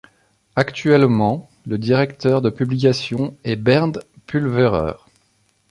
Actuellement, le directeur de publication est Bernd Pulverer.